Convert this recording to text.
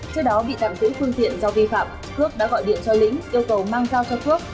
trước đó bị tạm tủ phương tiện do vi phạm cước đã gọi điện cho lĩnh yêu cầu mang giao cho cước